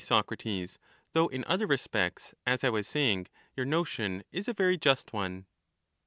Socrates; though in other respects, as I was saying, your notion is a very just one.